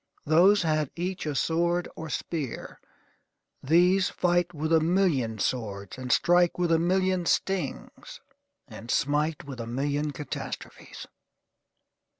Those had each a sword or spear; these fight with a million swords, and strike with a million stings, and smite with a million catastrophes.